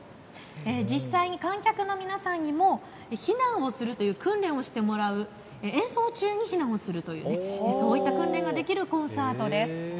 実際に観客の皆さんにも避難をするという訓練をしてもらう、演奏中に避難をするというそういった訓練ができるコンサートです。